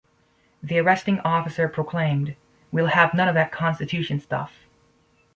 The arresting officer proclaimed: "We'll have none of that Constitution stuff".